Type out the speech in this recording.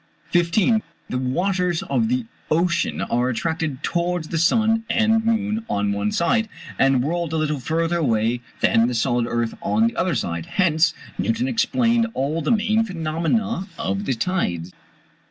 ] 15. The waters of the ocean are attracted towards the sun and moon on one side, and whirled a little further away than the solid earth on the other side: hence Newton explained all the main phenomena of the tides.